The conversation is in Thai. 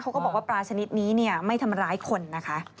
เขาก็บอกว่าปลาชนิดนี้นี่ะไม่ธรรมรายคนนะคะ